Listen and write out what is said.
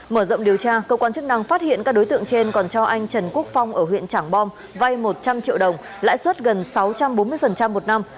mở rộng điều tra cơ quan chức năng phát hiện các đối tượng trên còn cho anh trần quốc phong ở huyện trảng bom vay một trăm linh triệu đồng lãi suất gần sáu trăm bốn mươi một năm